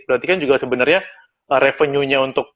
berarti kan juga sebenarnya revenue nya untuk